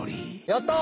やった！